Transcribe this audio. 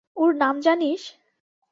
ওর নাম জানিস?